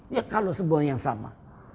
ya kalau sebuah yang sama